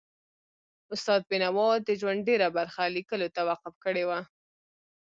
استاد بینوا د ژوند ډېره برخه لیکلو ته وقف کړي وه.